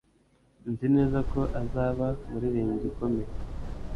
Nzi neza ko azaba umuririmbyi ukomeye.